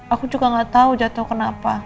aku juga gak tahu jatuh kenapa